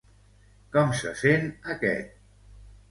Com se sent aquest?